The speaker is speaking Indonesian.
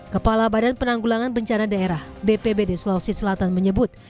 kepala badan penanggulangan bencana daerah bpbd sulawesi selatan menyebut